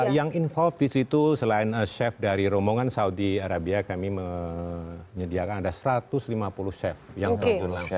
yang involve di situ selain chef dari rombongan saudi arabia kami menyediakan ada satu ratus lima puluh chef yang terjun langsung